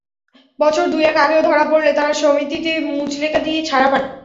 বছর দু-এক আগেও ধরা পড়লে তারা সমিতিতে মুচলেকা দিয়ে ছাড়া পান।